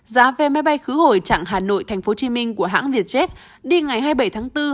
giá vé máy bay khứ hồi trạng hà nội tp hcm của hãng vietjet đi ngày hai mươi bảy tháng bốn